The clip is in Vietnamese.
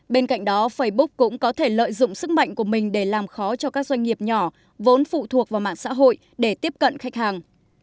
bên cạnh đó facebook cũng có thể lợi dụng sức mạnh của mình để làm khó cho các doanh nghiệp nhỏ vốn phụ thuộc vào mạng xã hội để tiếp cận khách hàng